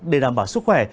để đảm bảo sức khỏe